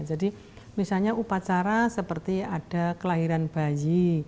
jadi misalnya upacara seperti ada kelahiran bayi